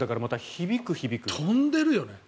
飛んでるよね。